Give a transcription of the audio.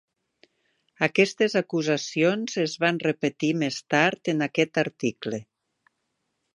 Aquestes acusacions es van repetir més tard en aquest article.